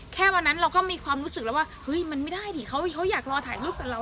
แค่วันนั้นเราก็มีความรู้สึกแล้วว่าเฮ้ยมันไม่ได้ดิเขาอยากรอถ่ายรูปกับเรา